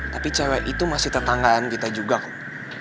tapi cewek itu masih tetanggaan kita juga kok